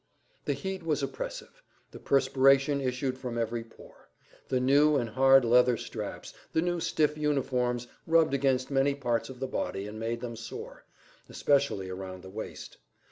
The heat was oppressive, the perspiration issued from every pore; the new and hard leather straps, the new stiff uniforms rubbed against many parts of the body and made them sore, especially round the waist.